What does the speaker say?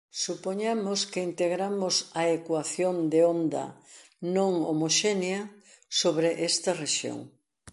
Supoñamos que integramos a ecuación de onda non homoxénea sobre esta rexión.